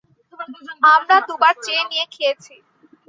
আমরা দুবার চেয়ে নিয়ে খেয়েছি।